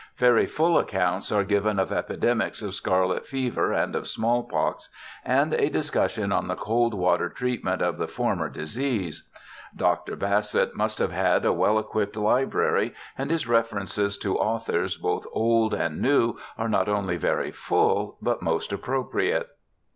Very full accounts are given of epidemics of scarlet fever and of small pox, and a discussion on the cold water treatment of the former AN ALABAMA STUDENT 13 disease. Dr. Bassett must have had a well equipped library, and his references to authors both old and new are not only very full, but most appropriate.